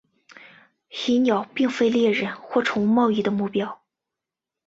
蚁鸟并非猎人或宠物贸易的目标。